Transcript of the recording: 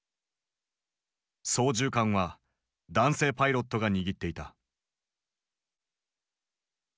操縦桿は男性パイロットが握っていた。